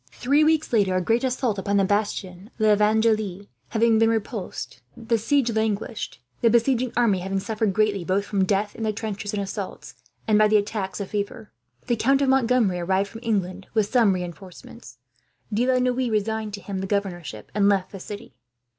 Three weeks later, a great assault upon the bastion of L'Evangile having been repulsed, the siege languished; the besieging army having suffered greatly, both from death in the trenches and assaults, and by the attacks of fever. The Count of Montgomery arrived from England, with some reinforcements. De la Noue resigned to him the governorship, and left the city.